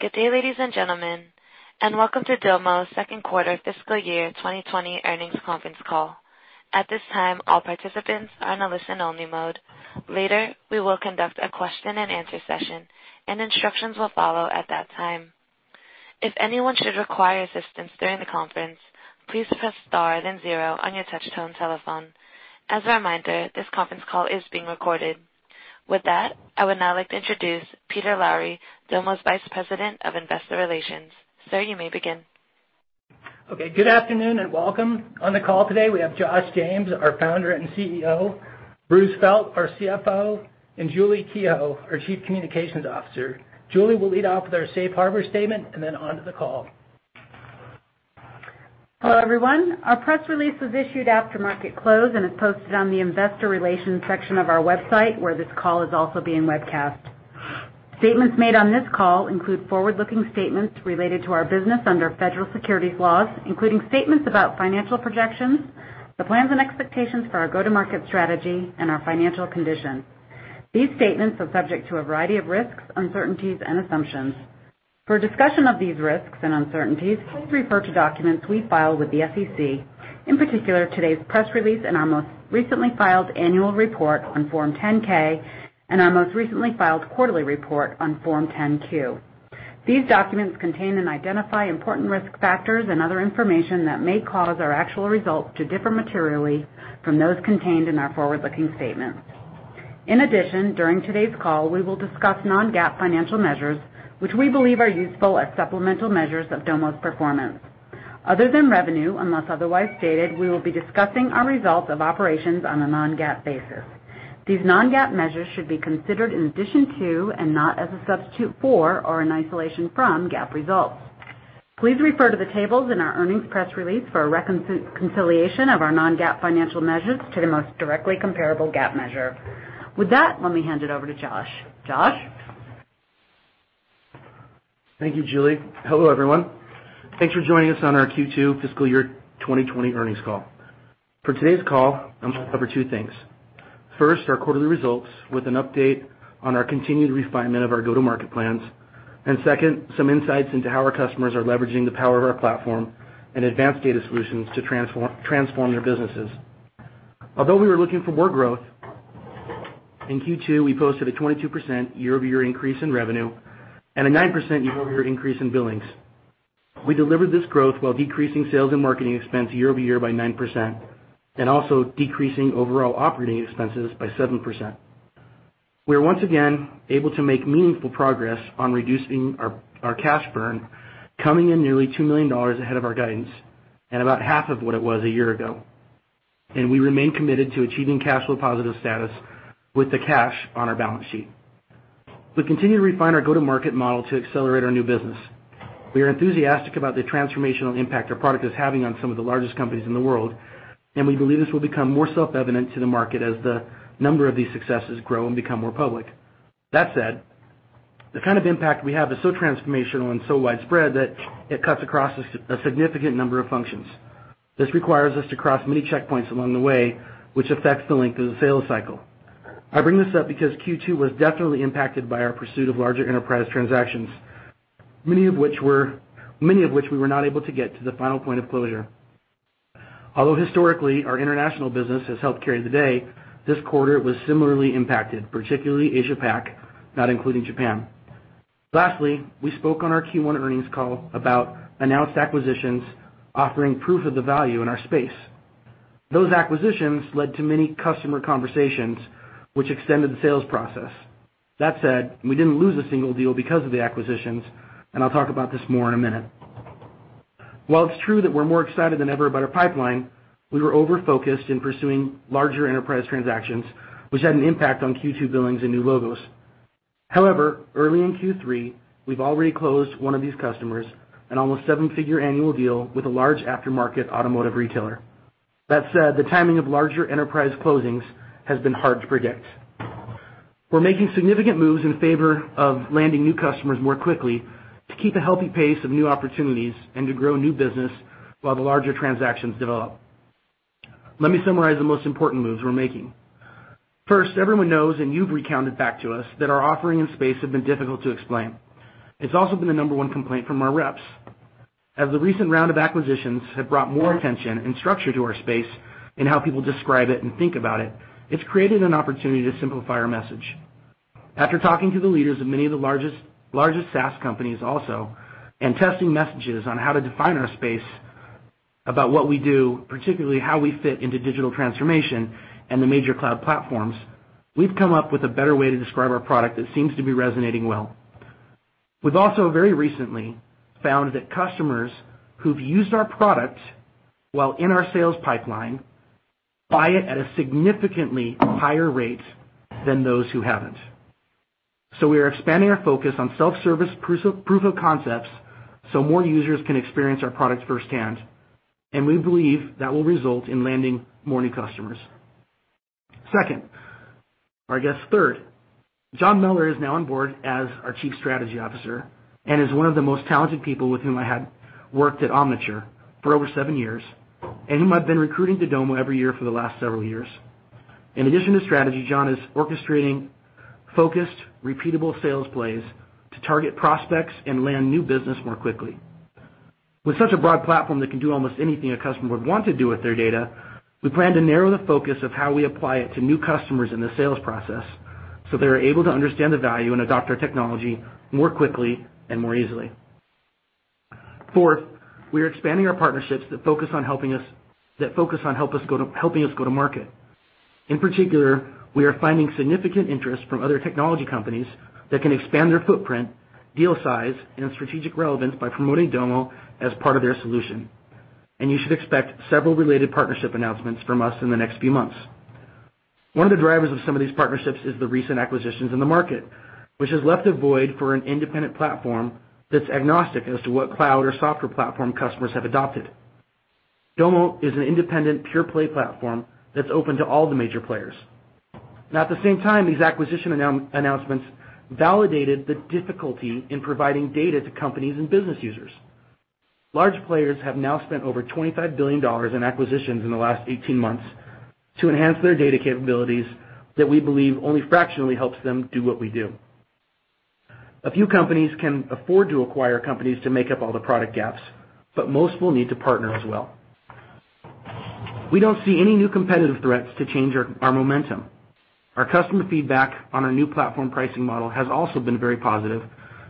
Good day, ladies and gentlemen, and welcome to Domo's second quarter fiscal year 2020 earnings conference call. At this time, all participants are on a listen-only mode. Later, we will conduct a question and answer session, and instructions will follow at that time. If anyone should require assistance during the conference, please press star then zero on your touch-tone telephone. As a reminder, this conference call is being recorded. With that, I would now like to introduce Peter Lowry, Domo's Vice President of Investor Relations. Sir, you may begin. Good afternoon and welcome. On the call today, we have Josh James, our founder and CEO, Bruce Felt, our CFO, and Julie Kehoe, our Chief Communications Officer. Julie will lead off with our safe harbor statement and then on to the call. Hello, everyone. Our press release was issued after market close and is posted on the investor relations section of our website, where this call is also being webcast. Statements made on this call include forward-looking statements related to our business under federal securities laws, including statements about financial projections, the plans and expectations for our go-to-market strategy, and our financial condition. These statements are subject to a variety of risks, uncertainties, and assumptions. For a discussion of these risks and uncertainties, please refer to documents we file with the SEC, in particular today's press release and our most recently filed annual report on Form 10-K and our most recently filed quarterly report on Form 10-Q. These documents contain and identify important risk factors and other information that may cause our actual results to differ materially from those contained in our forward-looking statements. In addition, during today's call, we will discuss non-GAAP financial measures which we believe are useful as supplemental measures of Domo's performance. Other than revenue, unless otherwise stated, we will be discussing our results of operations on a non-GAAP basis. These non-GAAP measures should be considered in addition to and not as a substitute for or an isolation from GAAP results. Please refer to the tables in our earnings press release for a reconciliation of our non-GAAP financial measures to the most directly comparable GAAP measure. With that, let me hand it over to Josh. Josh? Thank you, Julie. Hello, everyone. Thanks for joining us on our Q2 fiscal year 2020 earnings call. For today's call, I'm going to cover two things. First, our quarterly results with an update on our continued refinement of our go-to-market plans. Second, some insights into how our customers are leveraging the power of our platform and advanced data solutions to transform their businesses. Although we were looking for more growth, in Q2 we posted a 22% year-over-year increase in revenue and a 9% year-over-year increase in billings. We delivered this growth while decreasing sales and marketing expense year-over-year by 9% and also decreasing overall operating expenses by 7%. We are once again able to make meaningful progress on reducing our cash burn, coming in nearly $2 million ahead of our guidance and about half of what it was a year ago. We remain committed to achieving cash flow positive status with the cash on our balance sheet. We continue to refine our go-to-market model to accelerate our new business. We are enthusiastic about the transformational impact our product is having on some of the largest companies in the world, and we believe this will become more self-evident to the market as the number of these successes grow and become more public. That said, the kind of impact we have is so transformational and so widespread that it cuts across a significant number of functions. This requires us to cross many checkpoints along the way, which affects the length of the sales cycle. I bring this up because Q2 was definitely impacted by our pursuit of larger enterprise transactions, many of which we were not able to get to the final point of closure. Although historically, our international business has helped carry the day, this quarter was similarly impacted, particularly Asia-Pac, not including Japan. Lastly, we spoke on our Q1 earnings call about announced acquisitions offering proof of the value in our space. Those acquisitions led to many customer conversations which extended the sales process. That said, we didn't lose a single deal because of the acquisitions, and I'll talk about this more in a minute. While it's true that we're more excited than ever about our pipeline, we were over-focused in pursuing larger enterprise transactions, which had an impact on Q2 billings and new logos. However, early in Q3, we've already closed one of these customers, an almost seven-figure annual deal with a large aftermarket automotive retailer. That said, the timing of larger enterprise closings has been hard to predict. We're making significant moves in favor of landing new customers more quickly to keep a healthy pace of new opportunities and to grow new business while the larger transactions develop. Let me summarize the most important moves we're making. First, everyone knows, and you've recounted back to us that our offering and space have been difficult to explain. It's also been the number one complaint from our reps. As the recent round of acquisitions have brought more attention and structure to our space and how people describe it and think about it's created an opportunity to simplify our message. After talking to the leaders of many of the largest SaaS companies also, and testing messages on how to define our space about what we do, particularly how we fit into digital transformation and the major cloud platforms, we've come up with a better way to describe our product that seems to be resonating well. We've also very recently found that customers who've used our product while in our sales pipeline buy it at a significantly higher rate than those who haven't. We are expanding our focus on self-service proof of concepts so more users can experience our product firsthand, and we believe that will result in landing more new customers. I guess third, John Mellor is now on board as our Chief Strategy Officer and is one of the most talented people with whom I had worked at Omniture for over seven years and whom I've been recruiting to Domo every year for the last several years. In addition to strategy, John is orchestrating focused, repeatable sales plays to target prospects and land new business more quickly. With such a broad platform that can do almost anything a customer would want to do with their data, we plan to narrow the focus of how we apply it to new customers in the sales process, so they're able to understand the value and adopt our technology more quickly and more easily. Fourth, we are expanding our partnerships that focus on helping us go to market. In particular, we are finding significant interest from other technology companies that can expand their footprint, deal size, and strategic relevance by promoting Domo as part of their solution. You should expect several related partnership announcements from us in the next few months. One of the drivers of some of these partnerships is the recent acquisitions in the market, which has left a void for an independent platform that's agnostic as to what cloud or software platform customers have adopted. Domo is an independent, pure-play platform that's open to all the major players. At the same time, these acquisition announcements validated the difficulty in providing data to companies and business users. Large players have now spent over $25 billion in acquisitions in the last 18 months to enhance their data capabilities that we believe only fractionally helps them do what we do. A few companies can afford to acquire companies to make up all the product gaps, but most will need to partner as well. We don't see any new competitive threats to change our momentum. Our customer feedback on our new platform pricing model has also been very positive,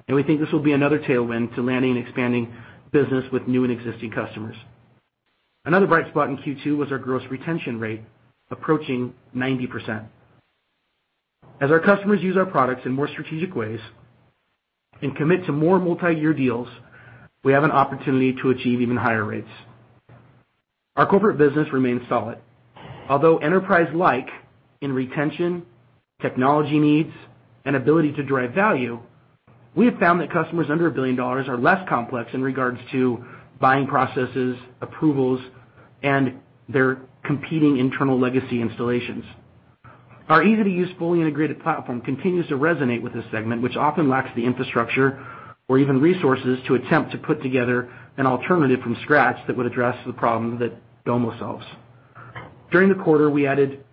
and we think this will be another tailwind to landing and expanding business with new and existing customers. Another bright spot in Q2 was our gross retention rate, approaching 90%. As our customers use our products in more strategic ways and commit to more multi-year deals, we have an opportunity to achieve even higher rates. Our corporate business remains solid. Although enterprise-like in retention, technology needs, and ability to drive value, we have found that customers under $1 billion are less complex in regards to buying processes, approvals, and their competing internal legacy installations. Our easy-to-use, fully integrated platform continues to resonate with this segment, which often lacks the infrastructure or even resources to attempt to put together an alternative from scratch that would address the problems that Domo solves. During the quarter, we added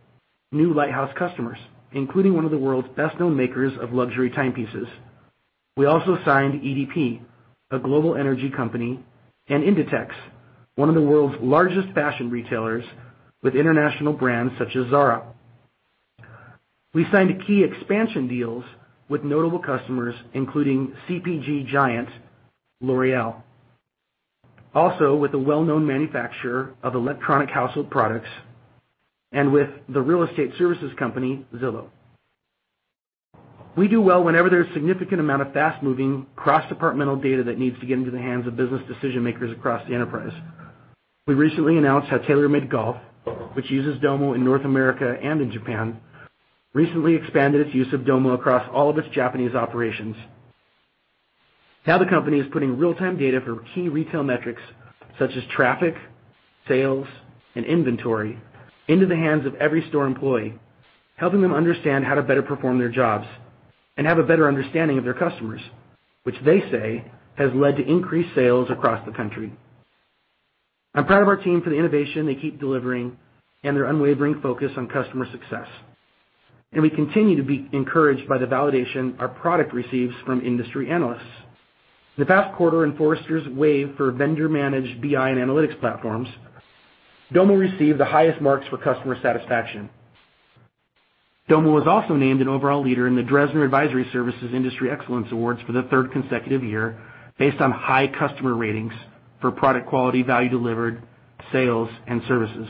new lighthouse customers, including one of the world's best-known makers of luxury timepieces. We also signed EDP, a global energy company, and Inditex, one of the world's largest fashion retailers with international brands such as Zara. We signed key expansion deals with notable customers, including CPG giant L'Oréal. With a well-known manufacturer of electronic household products and with the real estate services company, Zillow. We do well whenever there's significant amount of fast-moving, cross-departmental data that needs to get into the hands of business decision-makers across the enterprise. We recently announced how TaylorMade Golf, which uses Domo in North America and in Japan, recently expanded its use of Domo across all of its Japanese operations. Now the company is putting real-time data for key retail metrics such as traffic, sales, and inventory into the hands of every store employee, helping them understand how to better perform their jobs and have a better understanding of their customers, which they say has led to increased sales across the country. I'm proud of our team for the innovation they keep delivering and their unwavering focus on customer success. We continue to be encouraged by the validation our product receives from industry analysts. In the past quarter in Forrester Wave for Vendor-Managed BI and Analytics Platforms, Domo received the highest marks for customer satisfaction. Domo was also named an overall leader in the Dresner Advisory Services Industry Excellence Awards for the third consecutive year, based on high customer ratings for product quality, value delivered, sales, and services.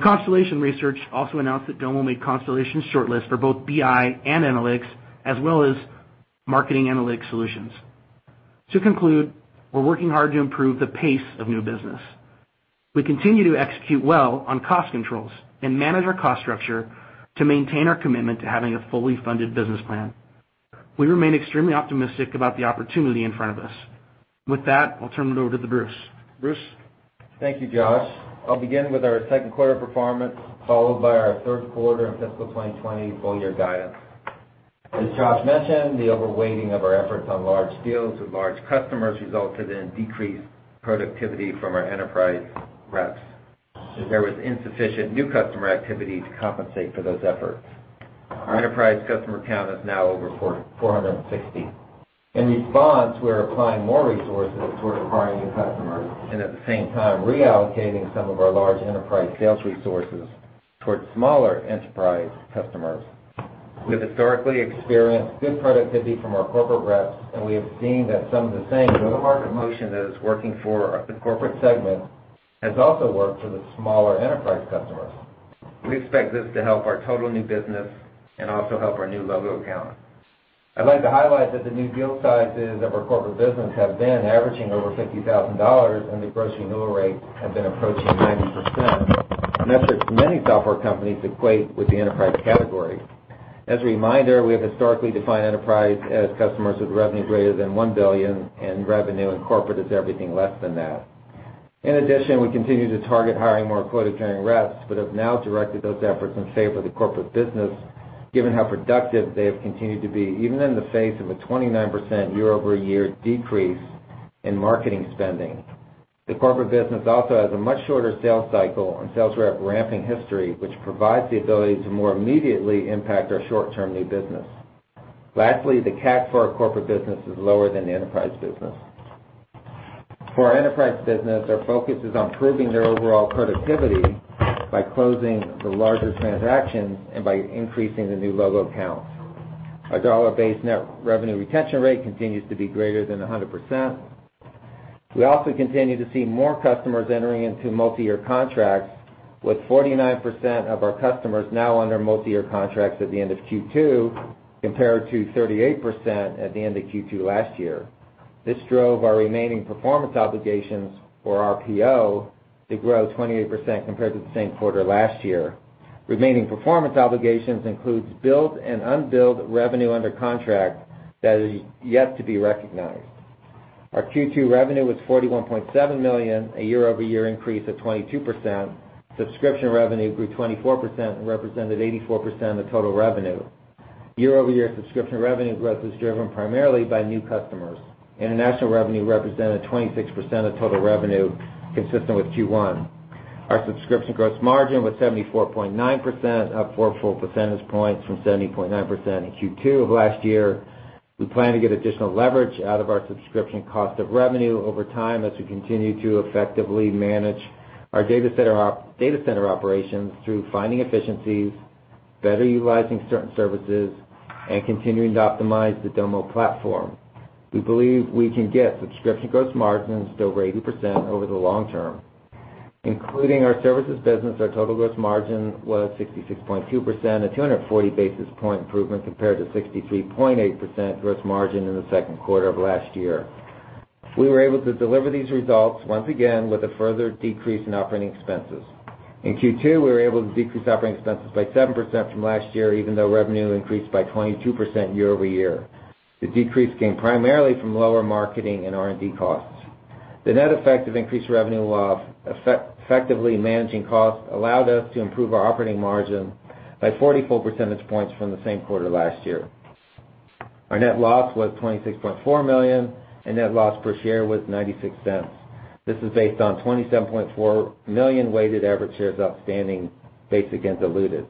Constellation Research also announced that Domo made Constellation's shortlist for both BI and analytics, as well as marketing analytics solutions. To conclude, we're working hard to improve the pace of new business. We continue to execute well on cost controls and manage our cost structure to maintain our commitment to having a fully funded business plan. We remain extremely optimistic about the opportunity in front of us. With that, I'll turn it over to Bruce. Bruce? Thank you, Josh. I'll begin with our second quarter performance, followed by our third quarter and fiscal 2020 full-year guidance. As Josh mentioned, the overweighting of our efforts on large deals with large customers resulted in decreased productivity from our enterprise reps, as there was insufficient new customer activity to compensate for those efforts. Our enterprise customer count is now over 460. In response, we're applying more resources towards acquiring new customers and at the same time, reallocating some of our large enterprise sales resources towards smaller enterprise customers. We've historically experienced good productivity from our corporate reps, and we have seen that some of the same go-to-market motion that is working for the corporate segment has also worked for the smaller enterprise customers. We expect this to help our total new business and also help our new logo count. I'd like to highlight that the new deal sizes of our corporate business have been averaging over $50,000, and the gross renewal rates have been approaching 90%, metrics many software companies equate with the enterprise category. As a reminder, we have historically defined enterprise as customers with revenue greater than $1 billion, and revenue in corporate is everything less than that. In addition, we continue to target hiring more quota-carrying reps, but have now directed those efforts in favor of the corporate business, given how productive they have continued to be, even in the face of a 29% year-over-year decrease in marketing spending. The corporate business also has a much shorter sales cycle and sales rep ramping history, which provides the ability to more immediately impact our short-term new business. Lastly, the CAC for our corporate business is lower than the enterprise business. For our enterprise business, our focus is on improving their overall productivity by closing the larger transactions and by increasing the new logo count. Our dollar-based net revenue retention rate continues to be greater than 100%. We also continue to see more customers entering into multi-year contracts, with 49% of our customers now under multi-year contracts at the end of Q2, compared to 38% at the end of Q2 last year. This drove our remaining performance obligations or RPO to grow 28% compared to the same quarter last year. Remaining performance obligations includes billed and unbilled revenue under contract that is yet to be recognized. Our Q2 revenue was $41.7 million, a year-over-year increase of 22%. Subscription revenue grew 24% and represented 84% of total revenue. Year-over-year subscription revenue growth was driven primarily by new customers. International revenue represented 26% of total revenue, consistent with Q1. Our subscription gross margin was 74.9%, up four full percentage points from 70.9% in Q2 of last year. We plan to get additional leverage out of our subscription cost of revenue over time as we continue to effectively manage our data center operations through finding efficiencies, better utilizing certain services, and continuing to optimize the Domo platform. We believe we can get subscription gross margins over 80% over the long term. Including our services business, our total gross margin was 66.2%, a 240 basis point improvement compared to 63.8% gross margin in the second quarter of last year. We were able to deliver these results once again with a further decrease in operating expenses. In Q2, we were able to decrease operating expenses by 7% from last year, even though revenue increased by 22% year-over-year. The decrease came primarily from lower marketing and R&D costs. The net effect of increased revenue effectively managing costs allowed us to improve our operating margin by 44 percentage points from the same quarter last year. Our net loss was $26.4 million, and net loss per share was $0.96. This is based on 27.4 million weighted average shares outstanding, basic and diluted.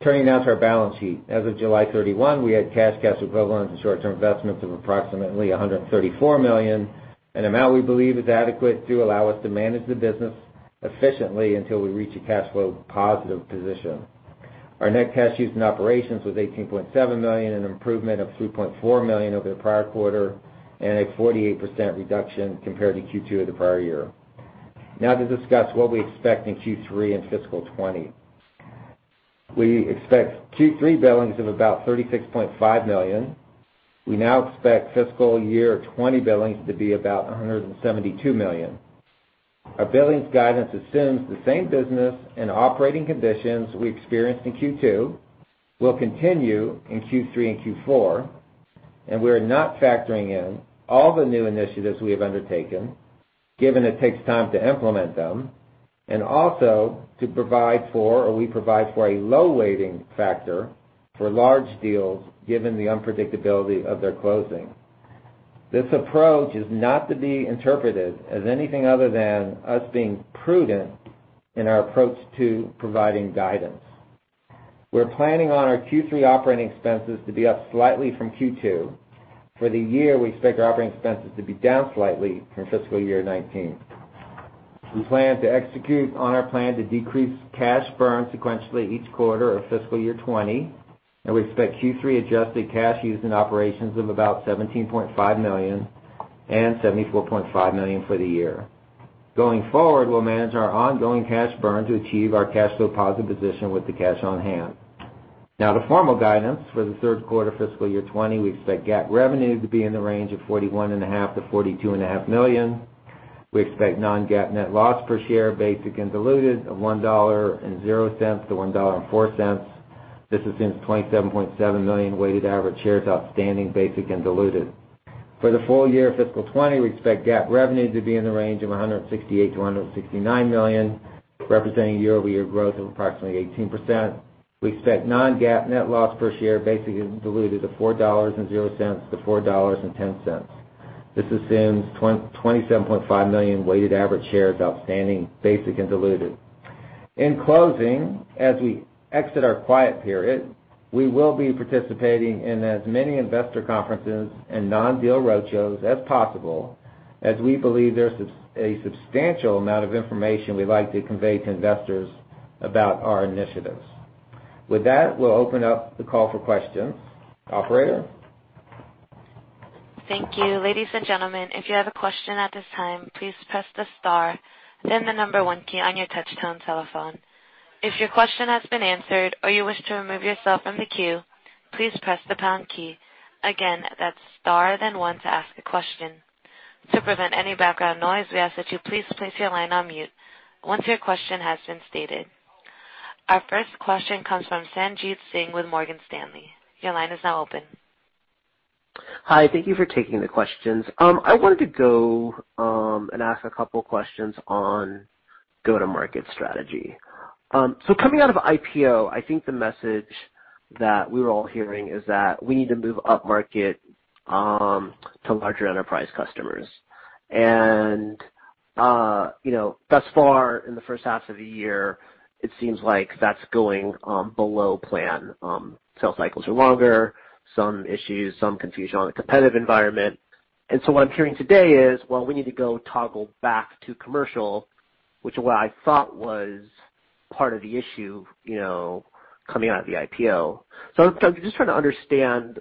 Turning now to our balance sheet. As of July 31, we had cash equivalents, and short-term investments of approximately $134 million, an amount we believe is adequate to allow us to manage the business efficiently until we reach a cash flow positive position. Our net cash used in operations was $18.7 million, an improvement of $3.4 million over the prior quarter, and a 48% reduction compared to Q2 of the prior year. Now to discuss what we expect in Q3 and fiscal 2020. We expect Q3 billings of about $36.5 million. We now expect fiscal year 2020 billings to be about $172 million. Our billings guidance assumes the same business and operating conditions we experienced in Q2 will continue in Q3 and Q4. We're not factoring in all the new initiatives we have undertaken, given it takes time to implement them, and also we provide for a low weighting factor for large deals, given the unpredictability of their closing. This approach is not to be interpreted as anything other than us being prudent in our approach to providing guidance. We're planning on our Q3 operating expenses to be up slightly from Q2. For the year, we expect our operating expenses to be down slightly from fiscal year 2019. We plan to execute on our plan to decrease cash burn sequentially each quarter of fiscal year 2020. We expect Q3 adjusted cash used in operations of about $17.5 million and $74.5 million for the year. Going forward, we'll manage our ongoing cash burn to achieve our cash flow positive position with the cash on hand. Now the formal guidance for the third quarter fiscal year 2020, we expect GAAP revenue to be in the range of $41.5 million-$42.5 million. We expect non-GAAP net loss per share, basic and diluted of $1.00-$1.04. This assumes 27.7 million weighted average shares outstanding, basic and diluted. For the full year fiscal year 2020, we expect GAAP revenue to be in the range of $168 million-$169 million, representing year-over-year growth of approximately 18%. We expect non-GAAP net loss per share, basic and diluted of $4.00-$4.10. This assumes 27.5 million weighted average shares outstanding, basic and diluted. In closing, as we exit our quiet period, we will be participating in as many investor conferences and non-deal roadshows as possible as we believe there's a substantial amount of information we'd like to convey to investors about our initiatives. With that, we'll open up the call for questions. Operator? Thank you. Ladies and gentlemen, if you have a question at this time, please press the star then the number 1 key on your touch-tone telephone. If your question has been answered or you wish to remove yourself from the queue, please press the pound key. Again, that's star then one to ask a question. To prevent any background noise, we ask that you please place your line on mute once your question has been stated. Our first question comes from Sanjit Singh with Morgan Stanley. Your line is now open. Hi. Thank you for taking the questions. I wanted to go and ask a couple questions on go-to-market strategy. Coming out of IPO, I think the message that we were all hearing is that we need to move upmarket to larger enterprise customers. Thus far, in the first half of the year, it seems like that's going below plan. Sales cycles are longer, some issues, some confusion on the competitive environment. What I'm hearing today is, well, we need to go toggle back to commercial, which is what I thought was part of the issue, coming out of the IPO. I'm just trying to understand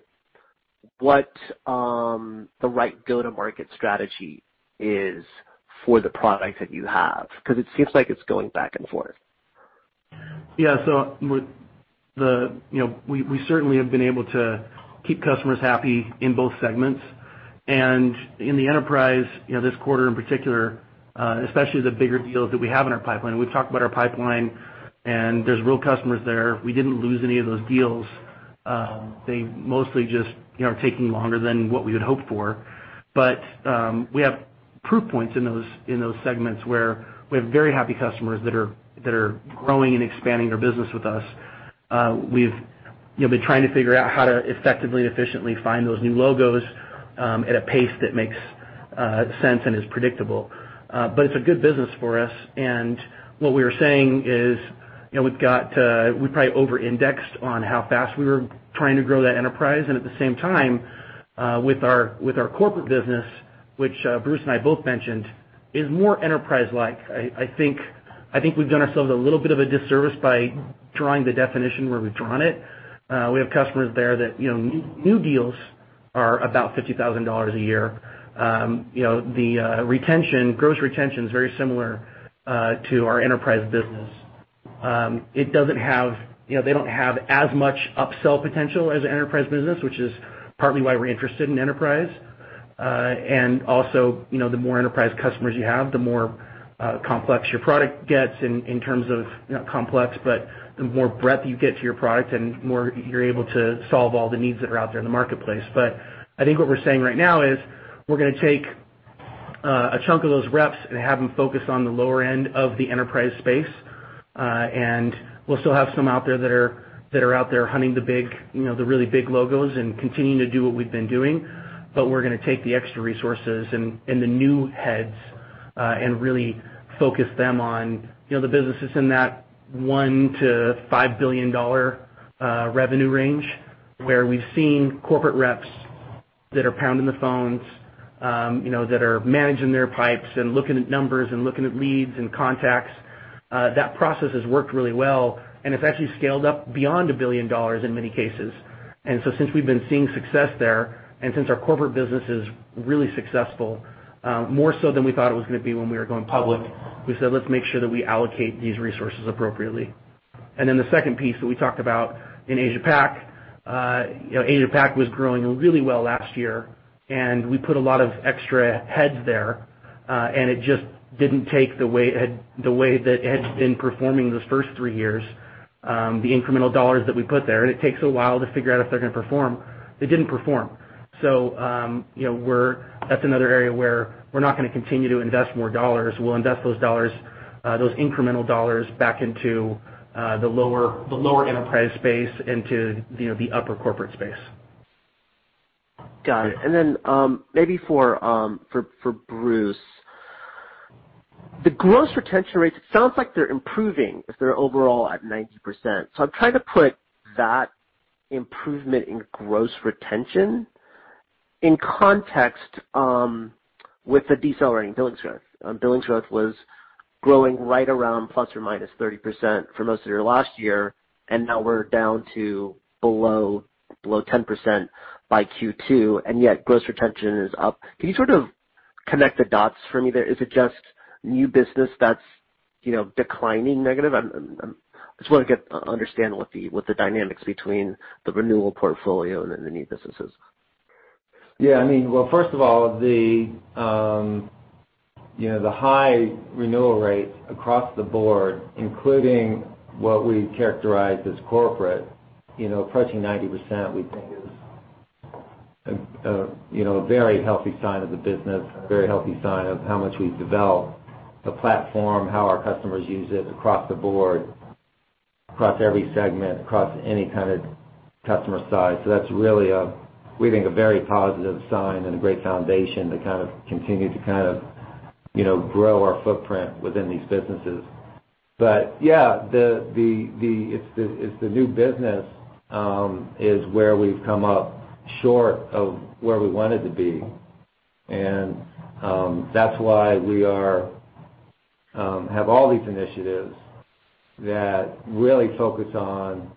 what the right go-to-market strategy is for the product that you have, because it seems like it's going back and forth. Yeah. We certainly have been able to keep customers happy in both segments. In the enterprise, this quarter in particular, especially the bigger deals that we have in our pipeline, we've talked about our pipeline, and there's real customers there. We didn't lose any of those deals. They mostly just are taking longer than what we would hope for. We have proof points in those segments where we have very happy customers that are growing and expanding their business with us. We've been trying to figure out how to effectively and efficiently find those new logos, at a pace that makes sense and is predictable. It's a good business for us, and what we were saying is, we probably over-indexed on how fast we were trying to grow that enterprise. at the same time, with our corporate business, which Bruce and I both mentioned, is more enterprise-like. I think we've done ourselves a little bit of a disservice by drawing the definition where we've drawn it. We have customers there that, new deals are about $50,000 a year. The gross retention is very similar to our enterprise business. They don't have as much upsell potential as an enterprise business, which is partly why we're interested in enterprise. also, the more enterprise customers you have, the more complex your product gets in terms of, not complex, but the more breadth you get to your product and more you're able to solve all the needs that are out there in the marketplace. I think what we're saying right now is we're going to take a chunk of those reps and have them focus on the lower end of the enterprise space. We'll still have some out there that are out there hunting the really big logos and continuing to do what we've been doing. We're going to take the extra resources and the new heads, and really focus them on the businesses in that $1 to $5 billion revenue range, where we've seen corporate reps that are pounding the phones, that are managing their pipes and looking at numbers and looking at leads and contacts. That process has worked really well, and it's actually scaled up beyond a billion dollars in many cases. Since we've been seeing success there, and since our corporate business is really successful, more so than we thought it was going to be when we were going public, we said, "Let's make sure that we allocate these resources appropriately." The second piece that we talked about in Asia Pac, Asia Pac was growing really well last year, and we put a lot of extra heads there. It just didn't take the way that it had been performing those first three years, the incremental dollars that we put there. It takes a while to figure out if they're going to perform. They didn't perform. That's another area where we're not going to continue to invest more dollars. We'll invest those dollars, those incremental dollars, back into the lower enterprise space, into the upper corporate space. Got it. Maybe for Bruce, the gross retention rates, it sounds like they're improving if they're overall at 90%. I'm trying to put that improvement in gross retention in context with the decelerating billings growth. Billings growth was growing right around ±30% for most of your last year, and now we're down to below 10% by Q2, and yet gross retention is up. Can you sort of connect the dots for me there? Is it just new business that's declining negative? I just want to understand what the dynamics between the renewal portfolio and the new businesses. Yeah. Well, first of all, the high renewal rates across the board, including what we characterize as corporate, approaching 90% we think is a very healthy sign of the business, a very healthy sign of how much we've developed the platform, how our customers use it across the board, across every segment, across any kind of customer size. That's really, we think, a very positive sign and a great foundation to continue to grow our footprint within these businesses. Yeah, it's the new business is where we've come up short of where we wanted to be. That's why we have all these initiatives that really focus on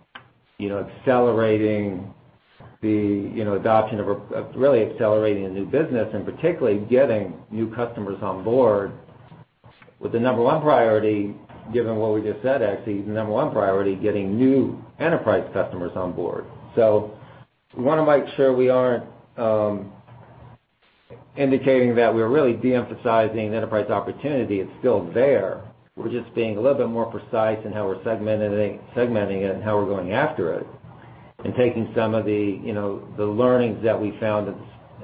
accelerating the adoption of, really accelerating the new business and particularly getting new customers on board with the number one priority, given what we just said, actually, the number one priority, getting new enterprise customers on board. We want to make sure we aren't indicating that we're really de-emphasizing the enterprise opportunity. It's still there. We're just being a little bit more precise in how we're segmenting it and how we're going after it. Taking some of the learnings that we found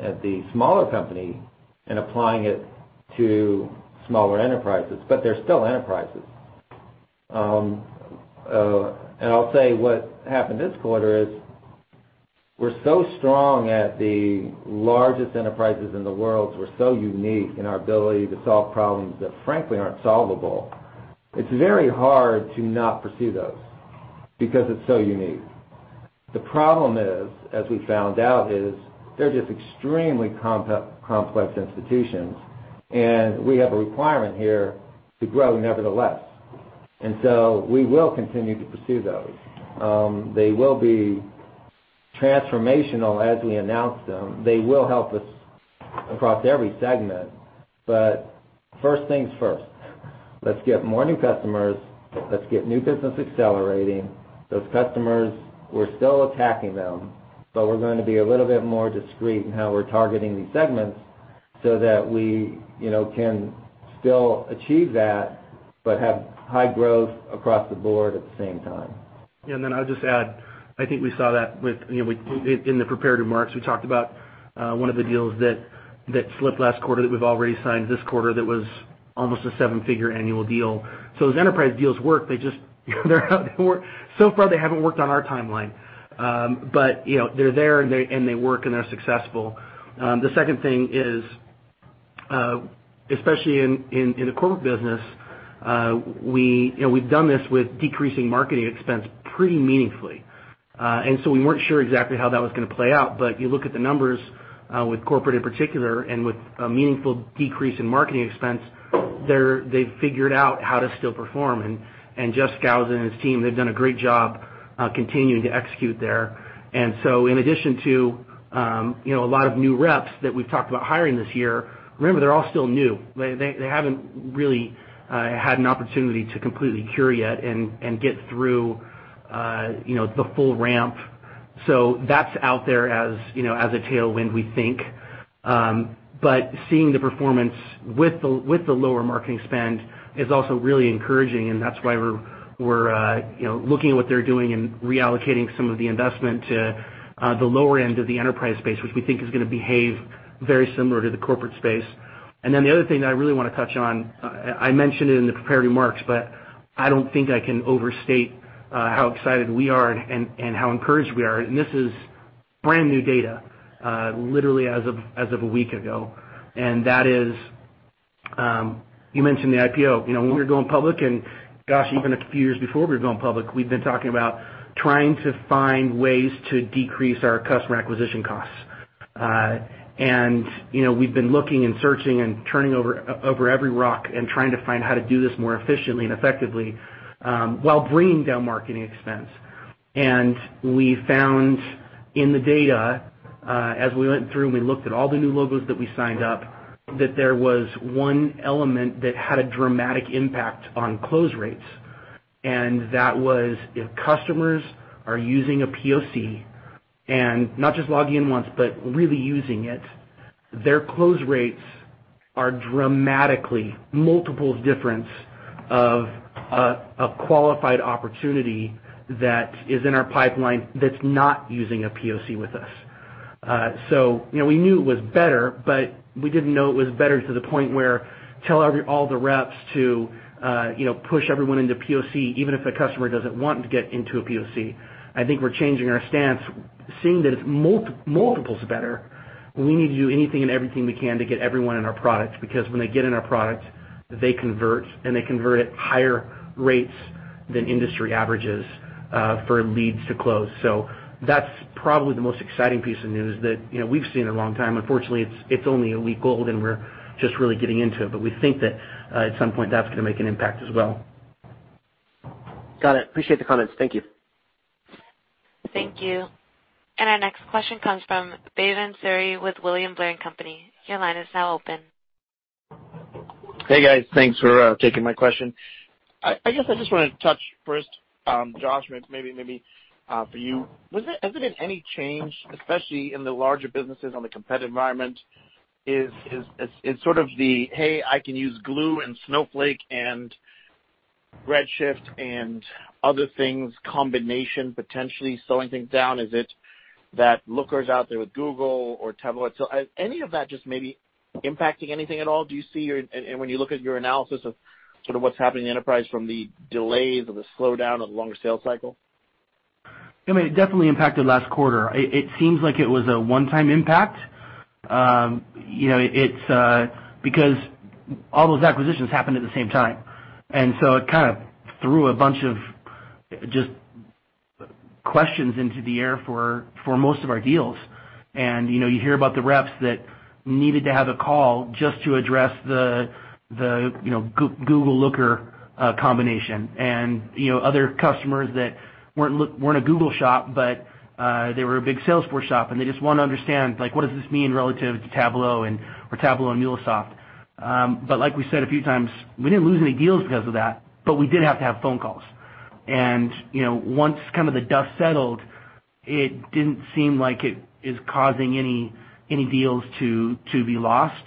at the smaller company and applying it to smaller enterprises, but they're still enterprises. I'll say what happened this quarter is we're so strong at the largest enterprises in the world. We're so unique in our ability to solve problems that frankly aren't solvable. It's very hard to not pursue those because it's so unique. The problem is, as we found out is, they're just extremely complex institutions, and we have a requirement here to grow nevertheless. We will continue to pursue those. They will be transformational as we announce them. They will help us across every segment. first things first, let's get more new customers. Let's get new business accelerating. Those customers, we're still attacking them, but we're going to be a little bit more discreet in how we're targeting these segments so that we can still achieve that but have high growth across the board at the same time. Yeah. Then I'll just add, I think we saw that in the prepared remarks, we talked about one of the deals that slipped last quarter that we've already signed this quarter that was almost a seven-figure annual deal. Those enterprise deals work, they just so far they haven't worked on our timeline. They're there, and they work, and they're successful. The second thing is, especially in the corporate business, we've done this with decreasing marketing expense pretty meaningfully. We weren't sure exactly how that was going to play out. You look at the numbers, with corporate in particular, and with a meaningful decrease in marketing expense, they've figured out how to still perform. Jeff Skousen and his team, they've done a great job continuing to execute there. in addition to a lot of new reps that we've talked about hiring this year, remember, they're all still new. They haven't really had an opportunity to completely cure yet and get through the full ramp. that's out there as a tailwind, we think. seeing the performance with the lower marketing spend is also really encouraging, and that's why we're looking at what they're doing and reallocating some of the investment to the lower end of the enterprise space, which we think is going to behave very similar to the corporate space. the other thing that I really want to touch on, I mentioned it in the prepared remarks, but I don't think I can overstate how excited we are and how encouraged we are. this is brand-new data, literally as of a week ago. that is, you mentioned the IPO. When we were going public, and gosh, even a few years before we were going public, we've been talking about trying to find ways to decrease our customer acquisition costs. We've been looking and searching and turning over every rock and trying to find how to do this more efficiently and effectively, while bringing down marketing expense. We found in the data, as we went through and we looked at all the new logos that we signed up, that there was one element that had a dramatic impact on close rates. That was if customers are using a POC, and not just logging in once, but really using it, their close rates are dramatically multiples difference of a qualified opportunity that is in our pipeline that's not using a POC with us. We knew it was better, but we didn't know it was better to the point where tell all the reps to push everyone into POC, even if the customer doesn't want to get into a POC. I think we're changing our stance, seeing that it's multiples better. We need to do anything and everything we can to get everyone in our product, because when they get in our product, they convert, and they convert at higher rates than industry averages for leads to close. That's probably the most exciting piece of news that we've seen in a long time. Unfortunately, it's only a week old, and we're just really getting into it. We think that at some point, that's going to make an impact as well. Got it. Appreciate the comments. Thank you. Thank you. Our next question comes from Bhavan Suri with William Blair & Company. Your line is now open. Hey, guys. Thanks for taking my question. I guess I just want to touch first, Josh, maybe for you. Has it been any change, especially in the larger businesses on the competitive environment? Is it sort of the, "Hey, I can use Glue and Snowflake and Redshift and other things, combination," potentially slowing things down? Is it that Looker's out there with Google or Tableau? any of that just may be impacting anything at all, do you see, and when you look at your analysis of sort of what's happening in enterprise from the delays or the slowdown of the longer sales cycle? It definitely impacted last quarter. It seems like it was a one-time impact. Because all those acquisitions happened at the same time. It kind of threw a bunch of just questions into the air for most of our deals. You hear about the reps that needed to have a call just to address the Google-Looker combination. Other customers that weren't a Google shop, but they were a big Salesforce shop, and they just want to understand what does this mean relative to Tableau or Tableau and MuleSoft. Like we said a few times, we didn't lose any deals because of that, but we did have to have phone calls. Once the dust settled, it didn't seem like it is causing any deals to be lost.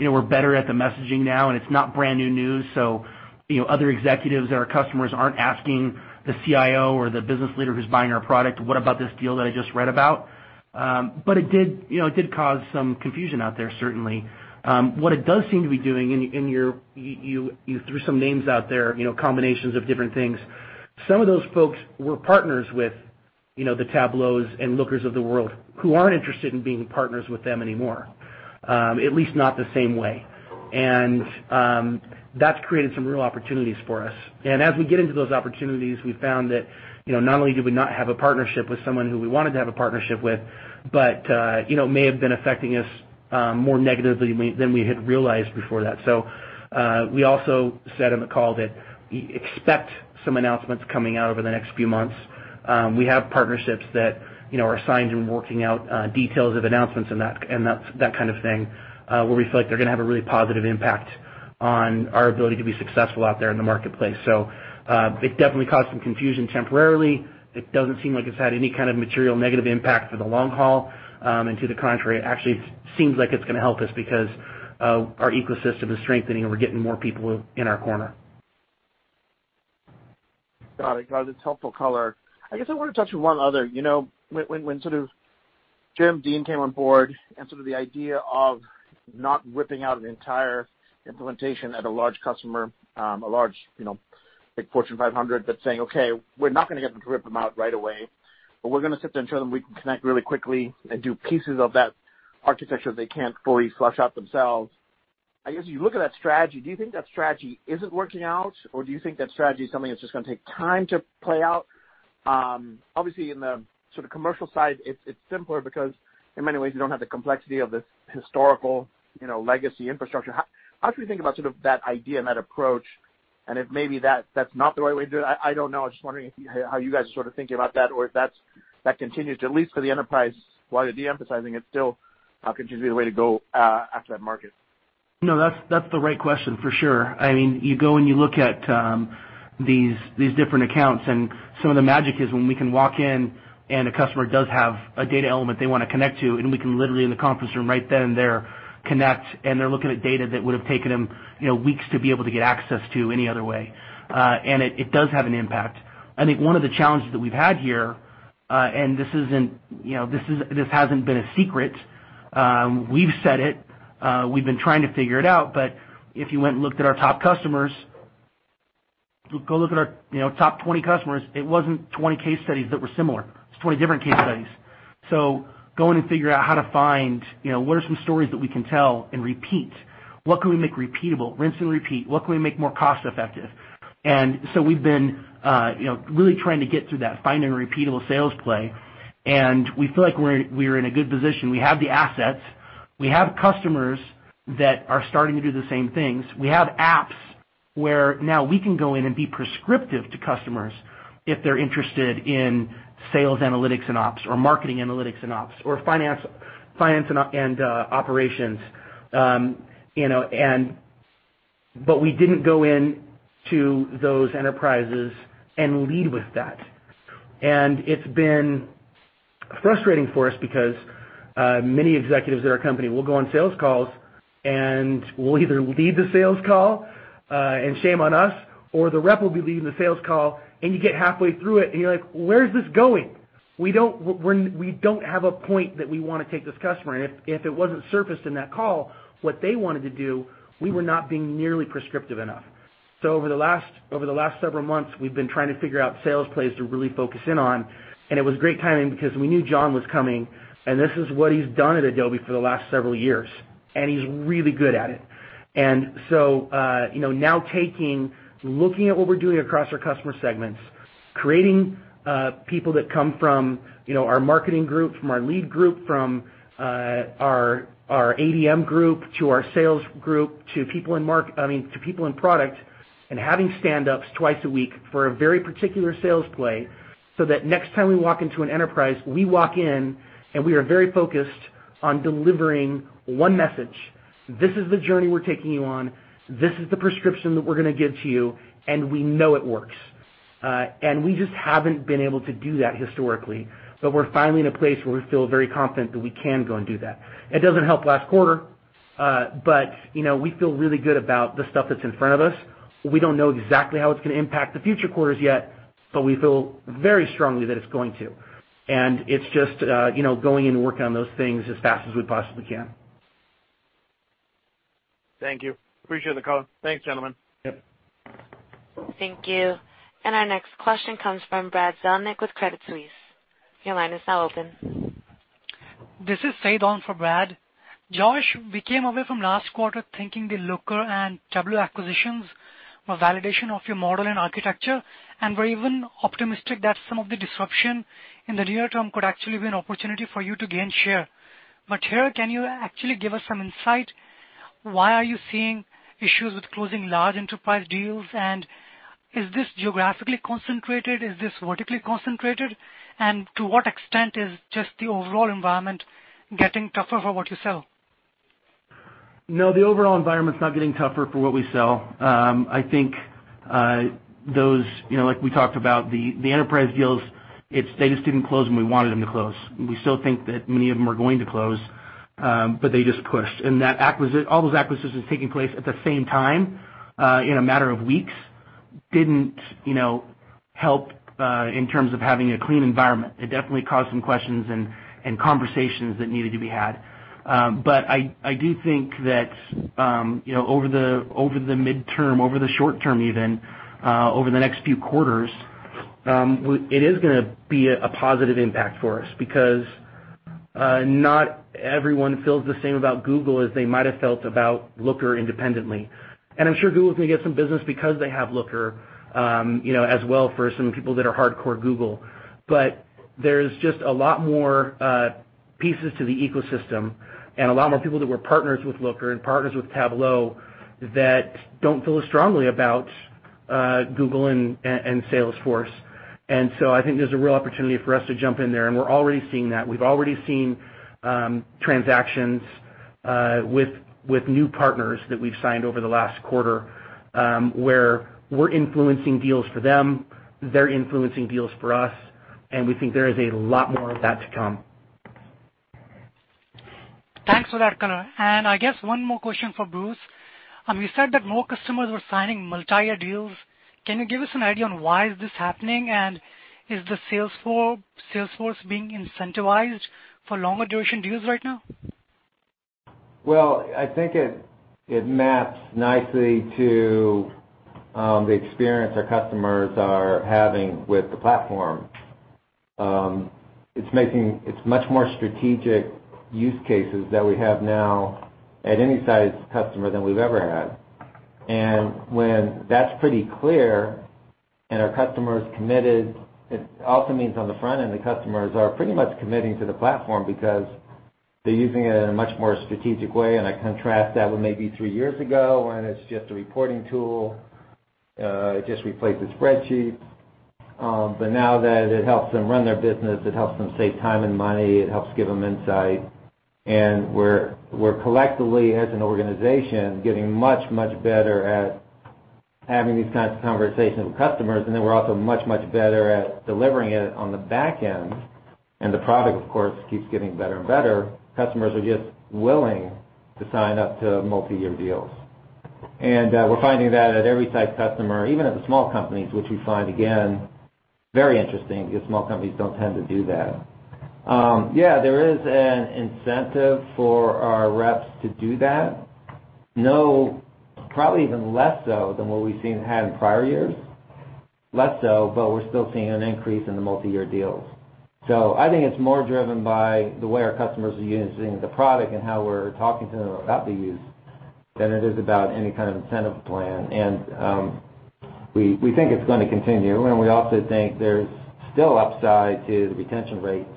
We're better at the messaging now, and it's not brand-new news. other executives that are customers aren't asking the CIO or the business leader who's buying our product, "What about this deal that I just read about?" It did cause some confusion out there, certainly. What it does seem to be doing, and you threw some names out there, combinations of different things. Some of those folks were partners with the Tableaus and Lookers of the world who aren't interested in being partners with them anymore, at least not the same way. That's created some real opportunities for us. As we get into those opportunities, we found that not only did we not have a partnership with someone who we wanted to have a partnership with, but may have been affecting us more negatively than we had realized before that. We also said on the call that expect some announcements coming out over the next few months. We have partnerships that are signed and working out details of announcements and that kind of thing, where we feel like they're going to have a really positive impact on our ability to be successful out there in the marketplace. It definitely caused some confusion temporarily. It doesn't seem like it's had any kind of material negative impact for the long haul. To the contrary, it actually seems like it's going to help us because our ecosystem is strengthening, and we're getting more people in our corner. Got it. Got it. It's helpful color. I guess I want to touch on one other when sort of Jim Dean came on board and sort of the idea of not ripping out an entire implementation at a large customer, a large big Fortune 500, but saying, "Okay, we're not going to get them to rip them out right away, but we're going to sit there and show them we can connect really quickly and do pieces of that architecture they can't fully flush out themselves." I guess you look at that strategy, do you think that strategy isn't working out, or do you think that strategy is something that's just going to take time to play out? Obviously, in the sort of commercial side, it's simpler because in many ways, you don't have the complexity of this historical legacy infrastructure. How should we think about sort of that idea and that approach, and if maybe that's not the right way to do it? I don't know. I'm just wondering how you guys are sort of thinking about that, or if that continues to, at least for the enterprise, while you're de-emphasizing it, still could be the way to go after that market. No, that's the right question, for sure. You go, and you look at these different accounts, and some of the magic is when we can walk in, and a customer does have a data element they want to connect to, and we can literally in the conference room right then and there connect, and they're looking at data that would have taken them weeks to be able to get access to any other way. It does have an impact. I think one of the challenges that we've had here, and this hasn't been a secret. We've said it. We've been trying to figure it out. If you went and looked at our top customers, go look at our top 20 customers, it wasn't 20 case studies that were similar. It's 20 different case studies. going and figuring out how to find what are some stories that we can tell and repeat, what can we make repeatable, rinse and repeat, what can we make more cost-effective? we've been really trying to get through that, finding repeatable sales play, and we feel like we're in a good position. We have the assets. We have customers that are starting to do the same things. We have apps where now we can go in and be prescriptive to customers if they're interested in sales analytics and ops or marketing analytics and ops or finance and operations. we didn't go into those enterprises and lead with that. It's been frustrating for us because many executives at our company will go on sales calls, and we'll either lead the sales call, and shame on us, or the rep will be leading the sales call, and you get halfway through it, and you're like, "Where is this going?" We don't have a point that we want to take this customer. If it wasn't surfaced in that call what they wanted to do, we were not being nearly prescriptive enough. Over the last several months, we've been trying to figure out sales plays to really focus in on, and it was great timing because we knew John was coming, and this is what he's done at Adobe for the last several years, and he's really good at it. Now taking, looking at what we're doing across our customer segments, creating people that come from our marketing group, from our lead group, from our ADM group to our sales group, I mean, to people in product, and having standups twice a week for a very particular sales play so that next time we walk into an enterprise, we walk in, and we are very focused on delivering one message. "This is the journey we're taking you on. This is the prescription that we're going to give to you, and we know it works." We just haven't been able to do that historically, but we're finally in a place where we feel very confident that we can go and do that. It doesn't help last quarter, but we feel really good about the stuff that's in front of us. We don't know exactly how it's going to impact the future quarters yet, but we feel very strongly that it's going to. It's just going in and working on those things as fast as we possibly can. Thank you. Appreciate the call. Thanks, gentlemen. Yep. Thank you. Our next question comes from Brad Zelnick with Credit Suisse. Your line is now open. This is [Saydon] for Brad. Josh, we came away from last quarter thinking the Looker and Tableau acquisitions were validation of your model and architecture, and we're even optimistic that some of the disruption in the near term could actually be an opportunity for you to gain share. Here, can you actually give us some insight, why are you seeing issues with closing large enterprise deals, and is this geographically concentrated? Is this vertically concentrated? To what extent is just the overall environment getting tougher for what you sell? No, the overall environment's not getting tougher for what we sell. I think, like we talked about, the enterprise deals, they just didn't close when we wanted them to close. We still think that many of them are going to close, but they just pushed. All those acquisitions taking place at the same time, in a matter of weeks, didn't help in terms of having a clean environment. It definitely caused some questions and conversations that needed to be had. I do think that over the midterm, over the short term even, over the next few quarters, it is going to be a positive impact for us, because not everyone feels the same about Google as they might have felt about Looker independently. I'm sure Google's going to get some business because they have Looker, as well for some people that are hardcore Google. there's just a lot more pieces to the ecosystem and a lot more people that were partners with Looker and partners with Tableau that don't feel as strongly about Google and Salesforce. I think there's a real opportunity for us to jump in there, and we're already seeing that. We've already seen transactions with new partners that we've signed over the last quarter, where we're influencing deals for them, they're influencing deals for us, and we think there is a lot more of that to come. Thanks for that color. I guess one more question for Bruce. You said that more customers were signing multi-year deals. Can you give us an idea on why is this happening? Is the Salesforce being incentivized for longer duration deals right now? Well, I think it maps nicely to the experience our customers are having with the platform. It's much more strategic use cases that we have now at any size customer than we've ever had. When that's pretty clear and our customer's committed, it also means on the front end, the customers are pretty much committing to the platform because they're using it in a much more strategic way. I contrast that with maybe three years ago, when it's just a reporting tool, it just replaced the spreadsheets. Now that it helps them run their business, it helps them save time and money, it helps give them insight. We're collectively, as an organization, getting much, much better at having these kinds of conversations with customers. We're also much, much better at delivering it on the back end. the product, of course, keeps getting better and better. Customers are just willing to sign up to multi-year deals. we're finding that at every type of customer, even at the small companies, which we find, again, very interesting, because small companies don't tend to do that. Yeah, there is an incentive for our reps to do that. No, probably even less so than what we've seen had in prior years. Less so, but we're still seeing an increase in the multi-year deals. I think it's more driven by the way our customers are using the product and how we're talking to them about the use than it is about any kind of incentive plan. We think it's going to continue, and we also think there's still upside to the retention rates,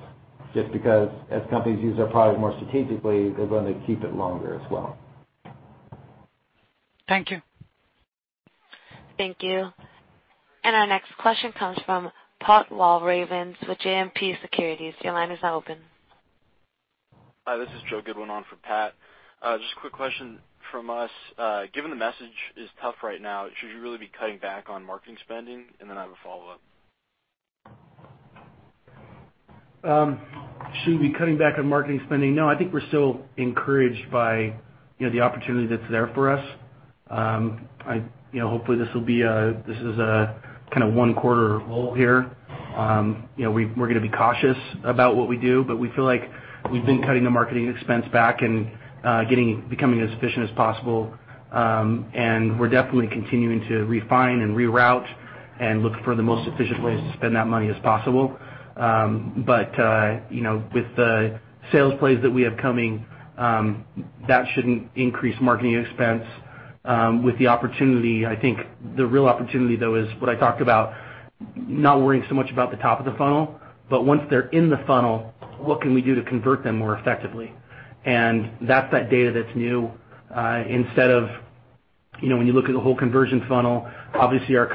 just because as companies use our product more strategically, they're going to keep it longer as well. Thank you. Thank you. Our next question comes from Pat Walravens with JMP Securities. Your line is now open. Hi, this is Joe Goodwin on for Pat. Just a quick question from us. Given the market is tough right now, should you really be cutting back on marketing spending? I have a follow-up. Should we be cutting back on marketing spending? No, I think we're still encouraged by the opportunity that's there for us. Hopefully, this is a kind of one quarter lull here. We're going to be cautious about what we do, but we feel like we've been cutting the marketing expense back and becoming as efficient as possible. We're definitely continuing to refine and reroute and look for the most efficient ways to spend that money as possible. With the sales plays that we have coming, that shouldn't increase marketing expense. With the opportunity, I think the real opportunity, though, is what I talked about, not worrying so much about the top of the funnel, but once they're in the funnel, what can we do to convert them more effectively? That's that data that's new. Instead of when you look at the whole conversion funnel, obviously our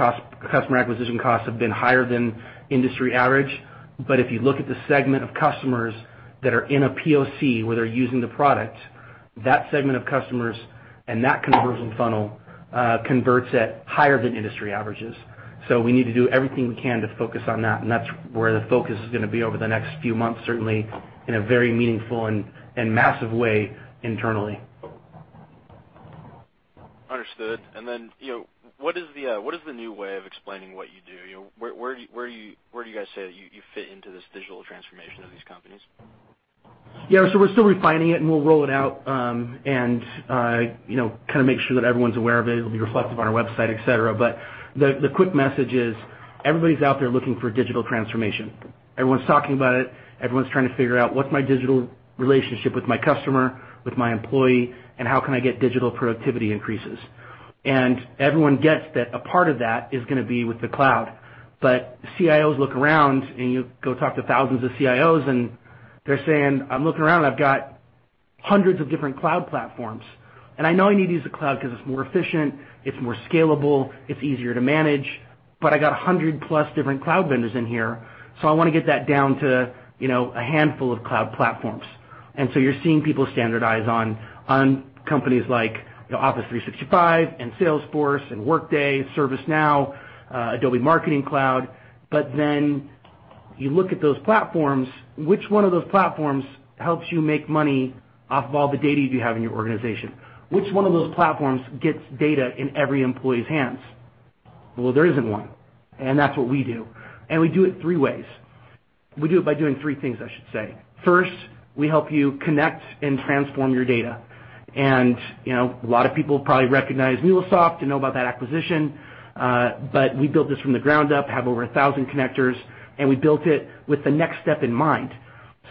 customer acquisition costs have been higher than industry average. if you look at the segment of customers that are in a POC where they're using the product, that segment of customers and that conversion funnel converts at higher than industry averages. we need to do everything we can to focus on that, and that's where the focus is going to be over the next few months, certainly in a very meaningful and massive way internally. Understood. What is the new way of explaining what you do? Where do you guys say that you fit into this digital transformation of these companies? Yeah, we're still refining it, and we'll roll it out, and kind of make sure that everyone's aware of it. It'll be reflected on our website, et cetera. The quick message is, everybody's out there looking for digital transformation. Everyone's talking about it. Everyone's trying to figure out what's my digital relationship with my customer, with my employee, and how can I get digital productivity increases? Everyone gets that a part of that is going to be with the cloud. CIOs look around, and you go talk to thousands of CIOs, and they're saying, "I'm looking around, I've got hundreds of different cloud platforms. I know I need to use the cloud because it's more efficient, it's more scalable, it's easier to manage." I got 100 plus different cloud vendors in here, so I want to get that down to a handful of cloud platforms. you're seeing people standardize on companies like Office 365 and Salesforce and Workday, ServiceNow, Adobe Marketing Cloud. you look at those platforms, which one of those platforms helps you make money off of all the data you have in your organization? Which one of those platforms gets data in every employee's hands? Well, there isn't one, and that's what we do. we do it three ways. We do it by doing three things, I should say. First, we help you connect and transform your data. a lot of people probably recognize MuleSoft and know about that acquisition. we built this from the ground up, have over 1,000 connectors, and we built it with the next step in mind.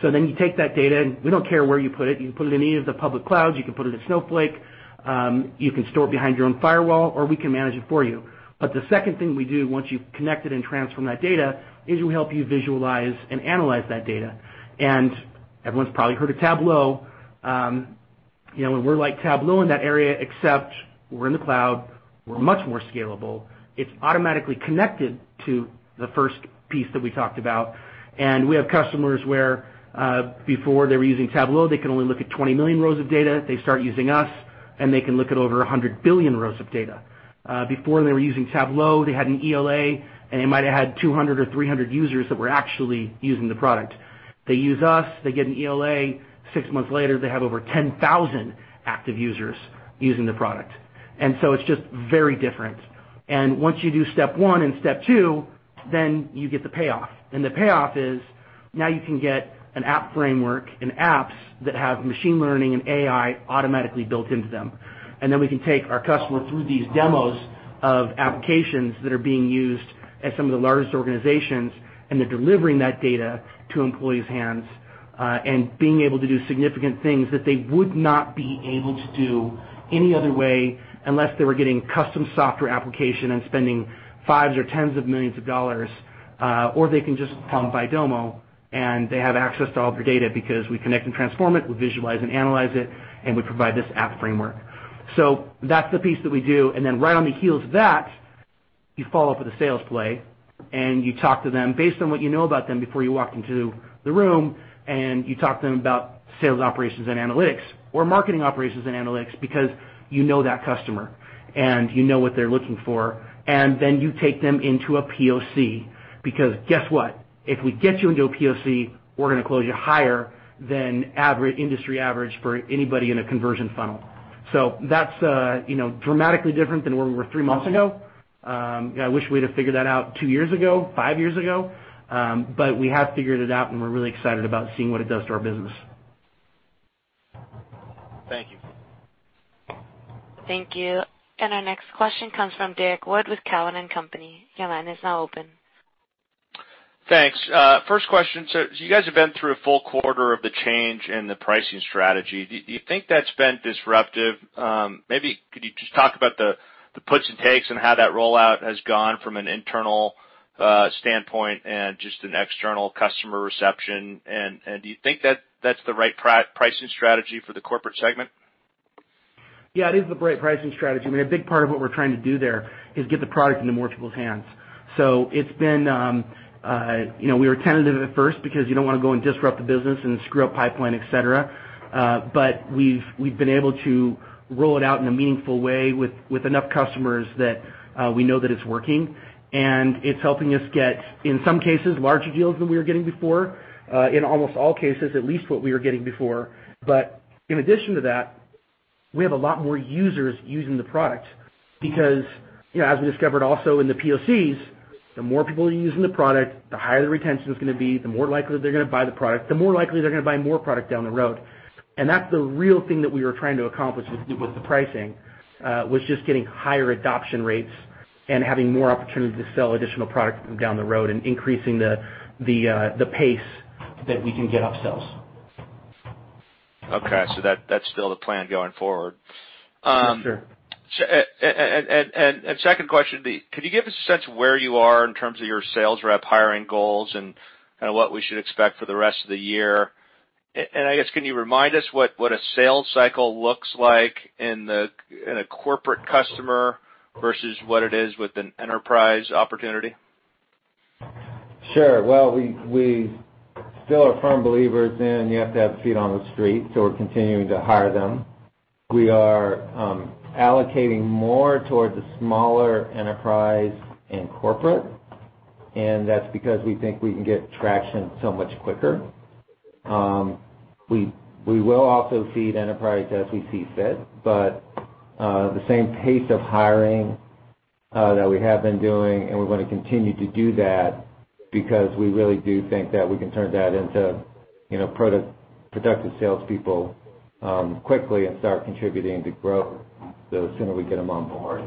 you take that data, and we don't care where you put it. You can put it in any of the public clouds, you can put it in Snowflake, you can store it behind your own firewall, or we can manage it for you. The second thing we do once you've connected and transformed that data is we help you visualize and analyze that data. Everyone's probably heard of Tableau. We're like Tableau in that area, except we're in the cloud. We're much more scalable. It's automatically connected to the first piece that we talked about. We have customers where, before they were using Tableau, they could only look at 20 million rows of data. They start using us, and they can look at over 100 billion rows of data. Before they were using Tableau, they had an ELA, and they might have had 200 or 300 users that were actually using the product. They use us, they get an ELA. Six months later, they have over 10,000 active users using the product. It's just very different. Once you do step one and step two, then you get the payoff. The payoff is now you can get an app framework and apps that have machine learning and AI automatically built into them. We can take our customer through these demos of applications that are being used at some of the largest organizations, and they're delivering that data to employees' hands, and being able to do significant things that they would not be able to do any other way unless they were getting custom software application and spending fives or tens of millions of dollars. they can just buy Domo, and they have access to all of their data because we connect and transform it, we visualize and analyze it, and we provide this app framework. That's the piece that we do. right on the heels of that, you follow up with a sales play, and you talk to them based on what you know about them before you walk into the room, and you talk to them about sales operations and analytics or marketing operations and analytics because you know that customer and you know what they're looking for. You take them into a POC because, guess what? If we get you into a POC, we're going to close you higher than industry average for anybody in a conversion funnel. That's dramatically different than where we were three months ago. I wish we'd have figured that out two years ago, five years ago. We have figured it out, and we're really excited about seeing what it does to our business. Thank you. Thank you. Our next question comes from Derrick Wood with Cowen and Company. Your line is now open. Thanks. First question. You guys have been through a full quarter of the change in the pricing strategy. Do you think that's been disruptive? Maybe could you just talk about the puts and takes and how that rollout has gone from an internal standpoint and just an external customer reception? Do you think that that's the right pricing strategy for the corporate segment? Yeah, it is the right pricing strategy. I mean, a big part of what we're trying to do there is get the product into more people's hands. We were tentative at first because you don't want to go and disrupt the business and screw up pipeline, et cetera. We've been able to roll it out in a meaningful way with enough customers that we know that it's working. It's helping us get, in some cases, larger deals than we were getting before. In almost all cases, at least what we were getting before. in addition to that, we have a lot more users using the product because, as we discovered also in the POCs, the more people are using the product, the higher the retention is going to be, the more likely they're going to buy the product, the more likely they're going to buy more product down the road. that's the real thing that we were trying to accomplish with the pricing, was just getting higher adoption rates and having more opportunities to sell additional product down the road and increasing the pace that we can get upsells. Okay, that's still the plan going forward. Sure. Second question would be, could you give us a sense of where you are in terms of your sales rep hiring goals and kind of what we should expect for the rest of the year? I guess, can you remind us what a sales cycle looks like in a corporate customer versus what it is with an enterprise opportunity? Sure. Well, we still are firm believers in you have to have feet on the street, so we're continuing to hire them. We are allocating more towards the smaller enterprise and corporate, and that's because we think we can get traction so much quicker. We will also feed enterprise as we see fit, but the same pace of hiring that we have been doing, and we're going to continue to do that because we really do think that we can turn that into productive salespeople quickly and start contributing to growth the sooner we get them on board.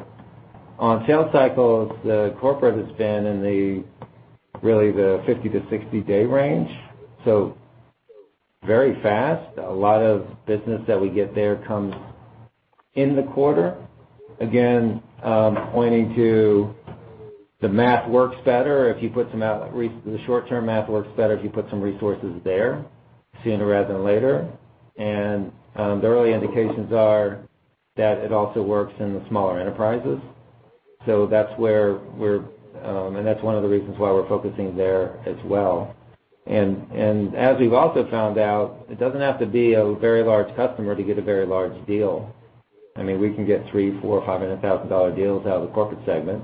On sales cycles, the corporate has been in the, really, the 50- to 60-day range, so very fast. A lot of business that we get there comes in the quarter. Again, pointing to the short-term math works better if you put some resources there sooner rather than later. The early indications are that it also works in the smaller enterprises. That's one of the reasons why we're focusing there as well. As we've also found out, it doesn't have to be a very large customer to get a very large deal. We can get three, four, $500,000 deals out of the corporate segment.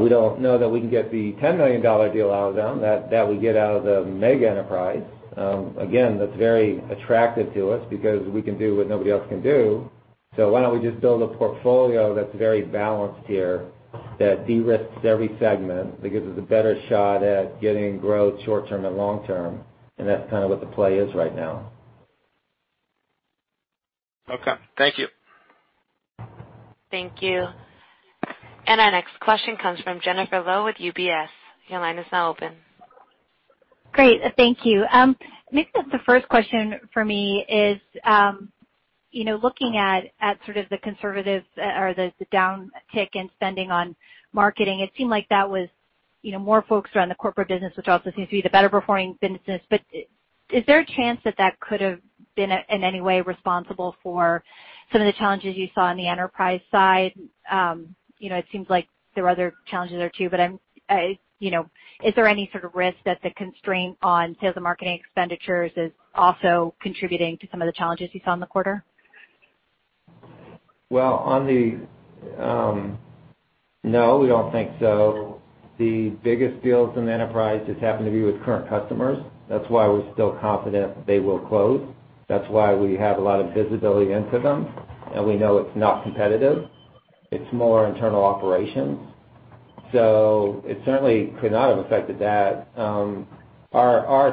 We don't know that we can get the $10 million deal out of them that we get out of the mega enterprise. Again, that's very attractive to us because we can do what nobody else can do. Why don't we just build a portfolio that's very balanced here, that de-risks every segment, that gives us a better shot at getting growth short-term and long-term, and that's kind of what the play is right now. Okay. Thank you. Thank you. Our next question comes from Jennifer Lowe with UBS. Your line is now open. Great. Thank you. Maybe the first question for me is, looking at sort of the conservative or the downtick in spending on marketing, it seemed like that was more focused around the corporate business, which also seems to be the better performing businesses. Is there a chance that that could have been in any way responsible for some of the challenges you saw on the enterprise side? It seems like there are other challenges there too. Is there any sort of risk that the constraint on sales and marketing expenditures is also contributing to some of the challenges you saw in the quarter? Well, no, we don't think so. The biggest deals in the enterprise just happen to be with current customers. That's why we're still confident they will close. That's why we have a lot of visibility into them, and we know it's not competitive. It's more internal operations. It certainly could not have affected that. Our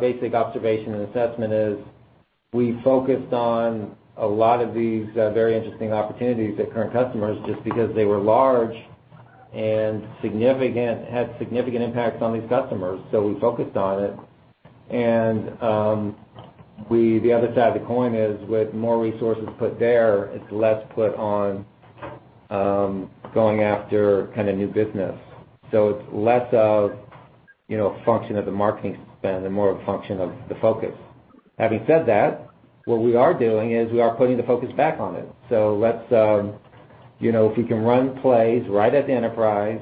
basic observation and assessment is we focused on a lot of these very interesting opportunities at current customers just because they were large and had significant impacts on these customers. We focused on it and the other side of the coin is with more resources put there, it's less put on going after new business. It's less of a function of the marketing spend and more of a function of the focus. Having said that, what we are doing is we are putting the focus back on it. If we can run plays right at the enterprise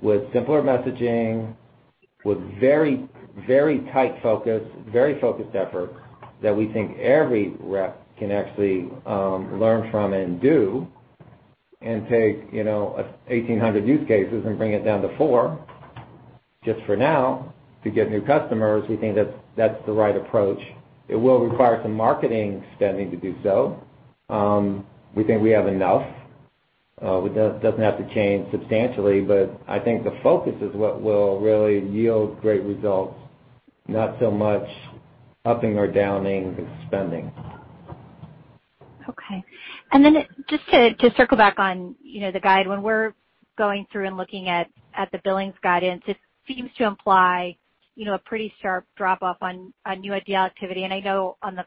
with simpler messaging, with very tight focus, very focused effort that we think every rep can actually learn from and do and take 1,800 use cases and bring it down to four just for now to get new customers, we think that's the right approach. It will require some marketing spending to do so. We think we have enough. It doesn't have to change substantially, but I think the focus is what will really yield great results, not so much upping or downing the spending. Okay. then just to circle back on the guide, when we're going through and looking at the billings guidance, it seems to imply a pretty sharp drop off on new deal activity. I know on the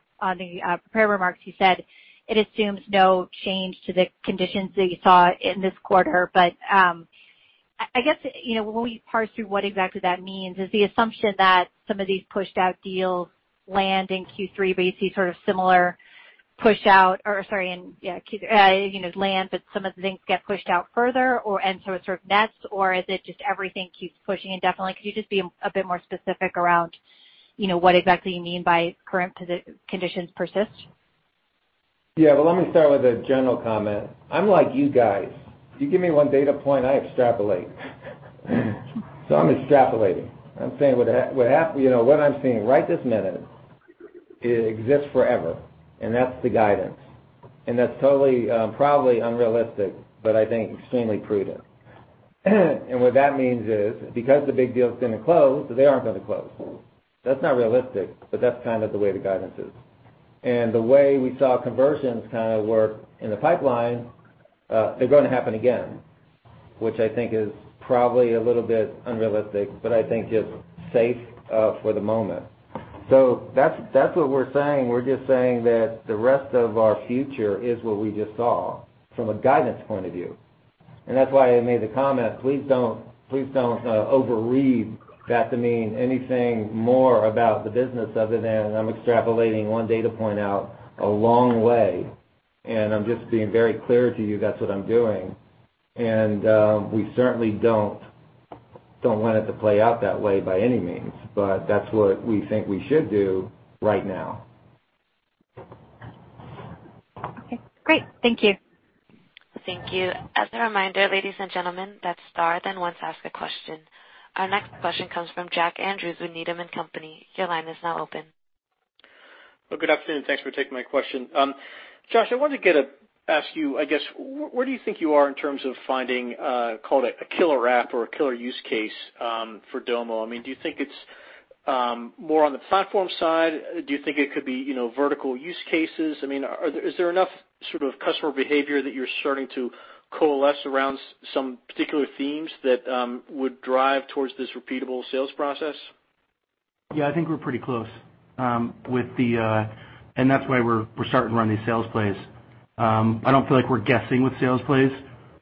prepared remarks, you said it assumes no change to the conditions that you saw in this quarter. I guess, when we parse through what exactly that means, is the assumption that some of these pushed out deals land in Q3, but you see sort of similar push out or, sorry, land, but some of the things get pushed out further, and so it sort of nets, or is it just everything keeps pushing indefinitely? Could you just be a bit more specific around what exactly you mean by current conditions persist? Yeah. Well, let me start with a general comment. I'm like you guys. If you give me one data point, I extrapolate. I'm extrapolating. I'm saying what I'm seeing right this minute exists forever, and that's the guidance. That's totally, probably unrealistic, but I think extremely prudent. What that means is, because the big deal is going to close, they aren't going to close. That's not realistic, but that's kind of the way the guidance is. The way we saw conversions kind of work in the pipeline, they're going to happen again, which I think is probably a little bit unrealistic, but I think is safe for the moment. That's what we're saying. We're just saying that the rest of our future is what we just saw from a guidance point of view. that's why I made the comment, please don't overread that to mean anything more about the business other than I'm extrapolating one data point out a long way. I'm just being very clear to you, that's what I'm doing. we certainly don't want it to play out that way by any means, but that's what we think we should do right now. Okay, great. Thank you. Thank you. As a reminder, ladies and gentlemen, that's star, then one to ask a question. Our next question comes from Jack Andrews with Needham & Company. Your line is now open. Well, good afternoon, and thanks for taking my question. Josh, I wanted to ask you, I guess, where do you think you are in terms of finding, call it a killer app or a killer use case for Domo? Do you think it's more on the platform side? Do you think it could be vertical use cases? Is there enough sort of customer behavior that you're starting to coalesce around some particular themes that would drive towards this repeatable sales process? Yeah, I think we're pretty close. That's why we're starting to run these sales plays. I don't feel like we're guessing with sales plays.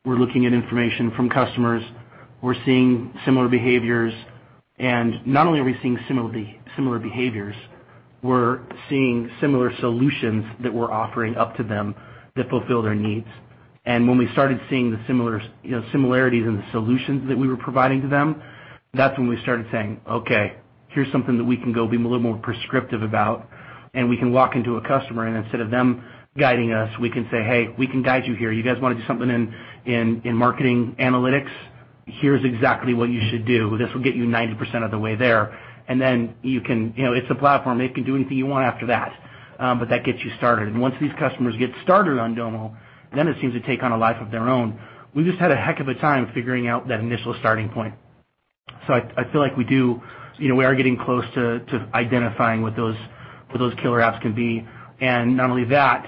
We're looking at information from customers. We're seeing similar behaviors. Not only are we seeing similar behaviors, we're seeing similar solutions that we're offering up to them that fulfill their needs. When we started seeing the similarities in the solutions that we were providing to them, that's when we started saying, "Okay, here's something that we can go be a little more prescriptive about, and we can walk into a customer, and instead of them guiding us, we can say, 'Hey, we can guide you here. You guys want to do something in marketing analytics? Here's exactly what you should do. This will get you 90% of the way there.' Then it's a platform. You can do anything you want after that. that gets you started." Once these customers get started on Domo, then it seems to take on a life of their own. We just had a heck of a time figuring out that initial starting point. I feel like we are getting close to identifying what those killer apps can be. Not only that,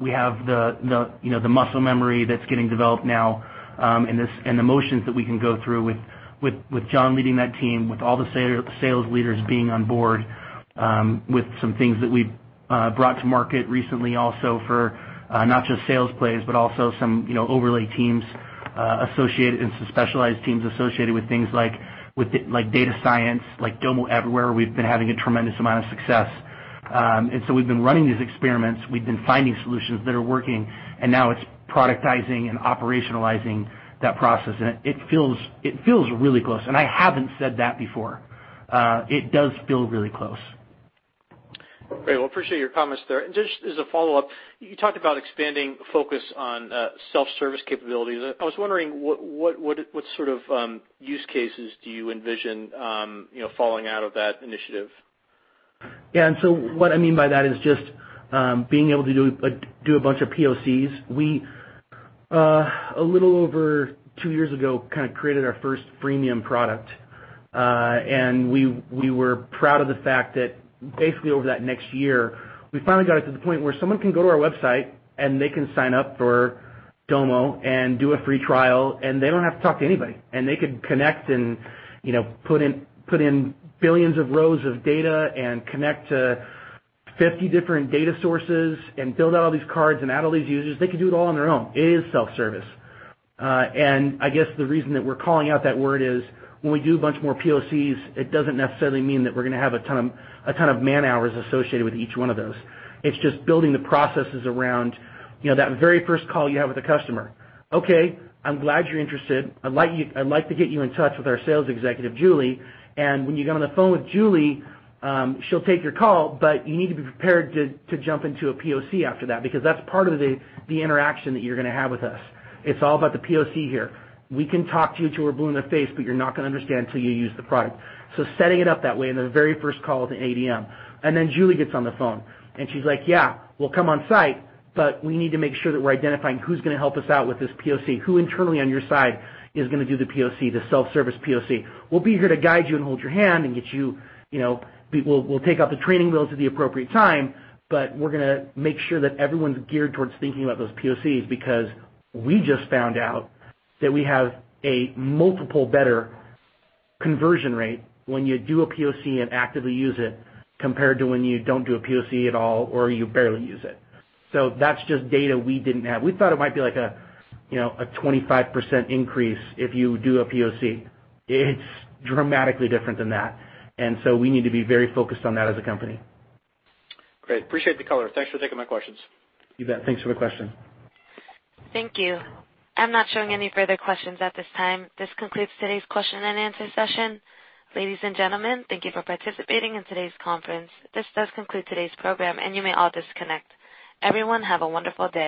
we have the muscle memory that's getting developed now, and the motions that we can go through with John leading that team, with all the sales leaders being on board, with some things that we've brought to market recently also for not just sales plays, but also some overlay teams associated, and some specialized teams associated with things like data science, like Domo Everywhere. We've been having a tremendous amount of success. We've been running these experiments. We've been finding solutions that are working, and now it's productizing and operationalizing that process. It feels really close. I haven't said that before. It does feel really close. Great. Well, I appreciate your comments there. Just as a follow-up, you talked about expanding focus on self-service capabilities. I was wondering, what sort of use cases do you envision falling out of that initiative? Yeah. what I mean by that is just being able to do a bunch of POCs. We, a little over two years ago, kind of created our first freemium product. we were proud of the fact that basically over that next year, we finally got it to the point where someone can go to our website, and they can sign up for Domo and do a free trial, and they don't have to talk to anybody. they could connect and put in billions of rows of data and connect to 50 different data sources and build out all these cards and add all these users. They could do it all on their own. It is self-service. I guess the reason that we're calling out that word is when we do a bunch more POCs, it doesn't necessarily mean that we're going to have a ton of man-hours associated with each one of those. It's just building the processes around that very first call you have with a customer. "Okay, I'm glad you're interested. I'd like to get you in touch with our sales executive, Julie. when you get on the phone with Julie, she'll take your call, but you need to be prepared to jump into a POC after that, because that's part of the interaction that you're going to have with us." It's all about the POC here. We can talk to you till we're blue in the face, but you're not going to understand till you use the product. setting it up that way in the very first call with an ADM. then Julie gets on the phone, and she's like, "Yeah, we'll come on-site, but we need to make sure that we're identifying who's going to help us out with this POC. Who internally on your side is going to do the POC, the self-service POC? We'll be here to guide you and hold your hand and we'll take off the training wheels at the appropriate time, but we're going to make sure that everyone's geared towards thinking about those POCs," because we just found out that we have a multiple better conversion rate when you do a POC and actively use it compared to when you don't do a POC at all or you barely use it. that's just data we didn't have. We thought it might be like a 25% increase if you do a POC. It's dramatically different than that. We need to be very focused on that as a company. Great. Appreciate the color. Thanks for taking my questions. You bet. Thanks for the question. Thank you. I'm not showing any further questions at this time. This concludes today's question and answer session. Ladies and gentlemen, thank you for participating in today's conference. This does conclude today's program, and you may all disconnect. Everyone, have a wonderful day.